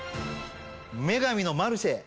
『女神のマルシェ』